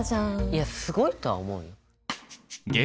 いやすごいとは思うよ。